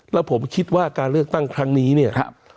แล้วผมคิดว่าการเลือกตั้งครั้งนี้เนี่ย